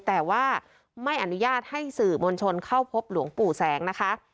แต่ว่าไม่อนุญาตให้สื่อมวลชนเข้าพบหลวงปู่แสงนะคะ